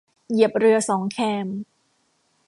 เหยียบเรือสองแคม